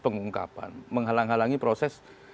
pengungkapan menghalang halangi proses